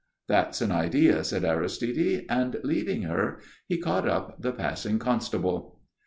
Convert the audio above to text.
"That's an idea," said Aristide, and, leaving her, he caught up the passing constable.